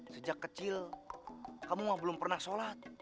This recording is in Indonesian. sejak kecil kamu belum pernah sholat